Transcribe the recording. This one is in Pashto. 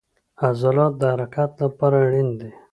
عضلات د حرکت لپاره اړین دي